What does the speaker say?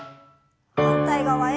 反対側へ。